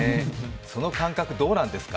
その感覚、どうなんですか？